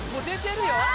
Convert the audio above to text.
出てるよ。